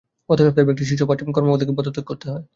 গত সপ্তাহেও ব্যাংকটির শীর্ষ পাঁচ কর্মকর্তাকে পদত্যাগ করতে হয়।